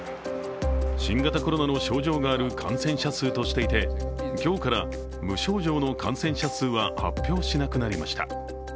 新型コロナの症状がある感染者数としていて、今日から、無症状の感染者数は発表しなくなりました。